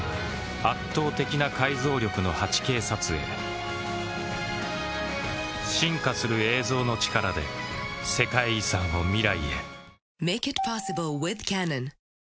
圧倒的な解像力の８Ｋ撮影進化する映像の力で世界遺産を未来へ